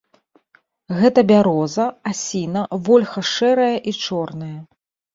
Гэта бяроза, асіна, вольха шэрая і чорная.